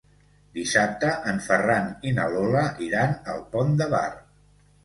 Dissabte en Ferran i na Lola iran al Pont de Bar.